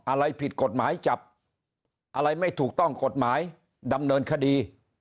อะไรผิดกฎหมายจับอะไรไม่ถูกต้องกฎหมายดำเนินคดี